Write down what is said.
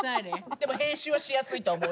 でも編集はしやすいと思う。